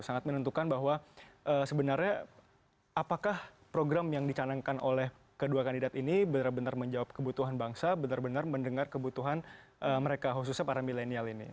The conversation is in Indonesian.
sangat menentukan bahwa sebenarnya apakah program yang dicanangkan oleh kedua kandidat ini benar benar menjawab kebutuhan bangsa benar benar mendengar kebutuhan mereka khususnya para milenial ini